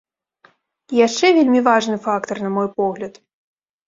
І яшчэ вельмі важны фактар, на мой погляд.